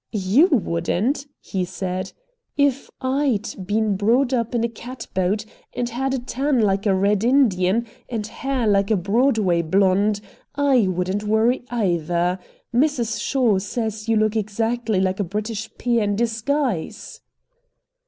"YOU wouldn't!" he said. "If I'D been brought up in a catboat, and had a tan like a red Indian, and hair like a Broadway blonde, I wouldn't worry either. Mrs. Shaw says you look exactly like a British peer in disguise."